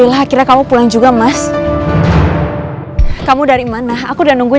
hai hai alhamdulillah kira kamu pulang juga mas kamu dari mana aku dan nungguin